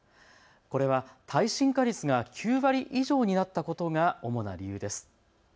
これは耐震化率が９割以上になったことが主な理由です。